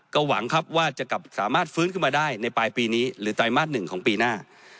ก็หวังครับว่าจะสามารถฟื้นขึ้นมาได้ในปลายปีนี้หรือปลายมาตรหนึ่งของปีหน้า